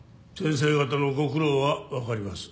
先生方のご苦労はわかります。